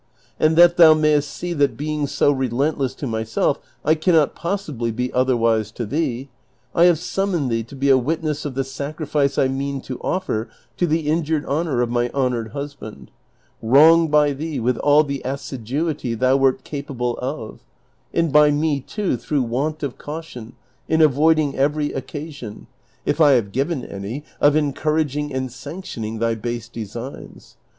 And that thou mayest see that being so relentless to myself I cannot possibly be otherwise to thee, I have summoned thee to be a witness of the sacrifice I mean to offer to the injured honor of my honored Inisband, wronged by thee with all the assiduity thou wert capable of, and by me too through want of caution in avoiding every occasion, if I have 298 DON QUIXOTE. given any, of encouraging and sanctioning thy base designs.